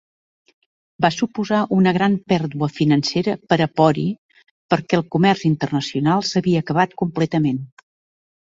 Va suposar una gran pèrdua financera per a Pori perquè que el comerç internacional s'havia acabat completament.